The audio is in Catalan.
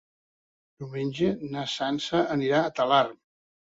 Diumenge na Sança anirà a Talarn.